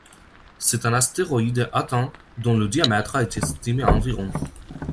C'est un astéroïde Aten dont le diamètre a été estimé à environ.